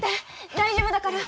大丈夫だから。